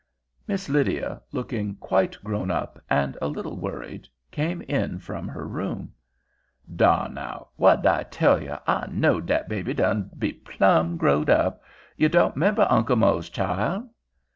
Miss Lydia, looking quite grown up and a little worried, came in from her room. "Dar, now! What'd I tell you? I knowed dat baby done be plum growed up. You don't 'member Uncle Mose, child?"